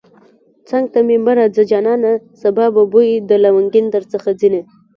څنگ ته مې مه راځه جانانه سبا به بوی د لونگين درڅخه ځينه